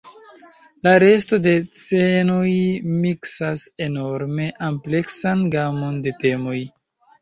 La resto de scenoj miksas enorme ampleksan gamon de temoj.